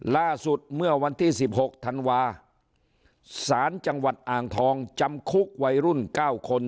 ล่าสุดเมื่อวันที่๑๖ธันวาสารจังหวัดอ่างทองจำคุกวัยรุ่น๙คน